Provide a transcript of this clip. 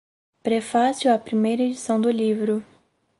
Prefácio à Primeira Edição do Livro